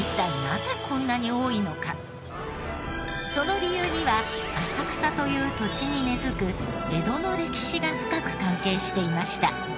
その理由には浅草という土地に根付く江戸の歴史が深く関係していました。